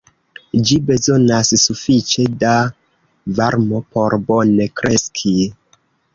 Ĝi bezonas sufiĉe da varmo por bone kreski.